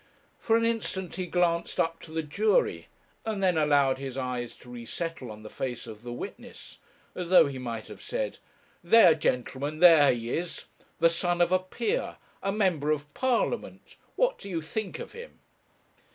For an instant he glanced up to the jury, and then allowed his eyes to resettle on the face of the witness, as though he might have said, 'There, gentlemen, there he is the son of a peer, a member of Parliament; what do you think of him?'